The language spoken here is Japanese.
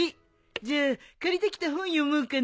じゃあ借りてきた本読もうかな。